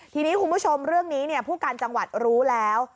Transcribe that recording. ทีนี้คุณผู้ชมเรื่องนี้ผู้การจังหวัดรู้แล้ว